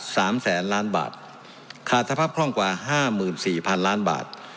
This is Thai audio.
สามแสนล้านบาทขาดสภาพคล่องกว่าห้าหมื่นสี่พันล้านบาท